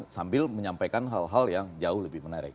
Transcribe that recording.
sambil menyampaikan hal hal yang jauh lebih menarik